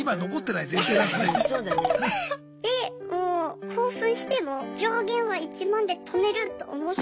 でもう興奮しても上限は１万で止めると思って。